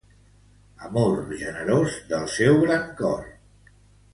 Amor generós del seu gran cor.